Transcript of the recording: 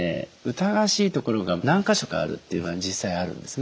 疑わしいところが何か所かあるっていうのが実際あるんですね。